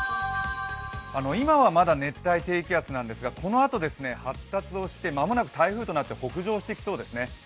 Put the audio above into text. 今はまだ熱帯低気圧なんですが、このあと、発達をして間もなく台風となって北上してきそうですね。